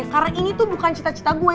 karena ini tuh bukan cita cita gue